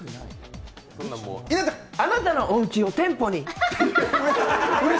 あなたのおうちを店舗に。